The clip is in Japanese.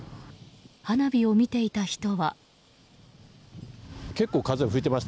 花火を見ていた人は。